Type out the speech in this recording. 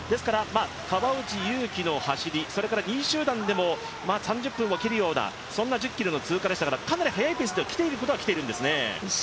川内優輝の走り、それから２位集団でも３０分を切るようなそんな１０ｋｍの通過ですから、かなり速いペースで来ていることは来ているんですね。